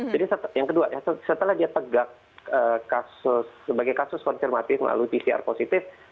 jadi yang kedua setelah dia tegak sebagai kasus konfirmatif melalui pcr positif